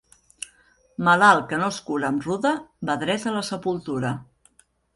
Malalt que no es cura amb ruda va dret a la sepultura.